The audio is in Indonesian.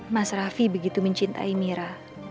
mas raffi begitu mencintai mira